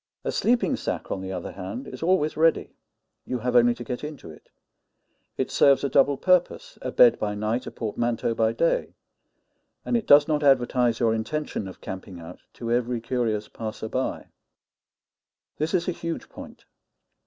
A sleeping sack, on the other hand, is always ready you have only to get into it; it serves a double purpose a bed by night, a portmanteau by day; and it does not advertise your intention of camping out to every curious passer by. This is a huge point.